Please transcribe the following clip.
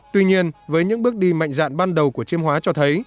tuy nhiên với những bước đi mạnh dạn ban đầu của chiêm hóa cho thấy